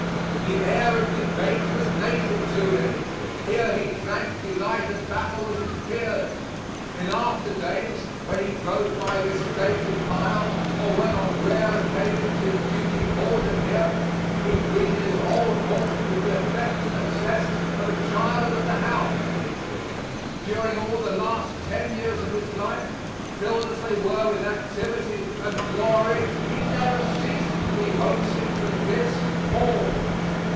The air of debate was native to him; here he drank delight of battle with his peers. In after days, when he drove by this stately pile, or when on rare occasions his duty called him here, he greeted his old haunts with the affectionate zest of a child of the house; during all the last ten years of his life, filled as they were with activity and glory, he never ceased to be homesick for this hall.